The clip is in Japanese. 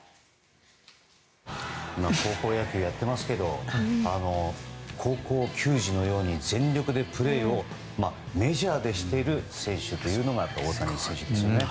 今、高校野球やってますけど高校球児のように全力でプレーをメジャーでしている選手というのが大谷選手ですね。